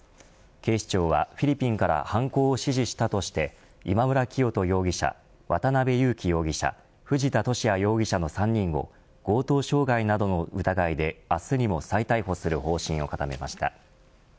警視庁はフィリピンから犯行を指示したとして今村磨人容疑者渡辺優樹容疑者藤田聖也容疑者の３人を強盗傷害などの疑いで明日にも再逮捕する方針を固めました。